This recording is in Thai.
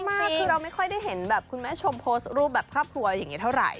ไม่คือเราไม่ค่อยได้เห็นแบบคุณแม่ชมโพสต์รูปแบบครอบครัวอย่างนี้เท่าไหร่